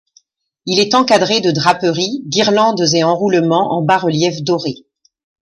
Il est encadré de draperies, guirlandes et enroulements en bas reliefs dorés.